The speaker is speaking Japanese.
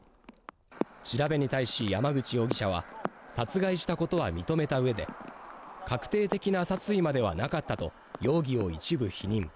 調べに対し山口容疑者は殺害したことは認めた上で確定的な殺意まではなかったと容疑を一部否認。